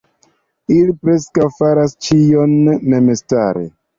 Ili preskaŭ faras ĉion memstare.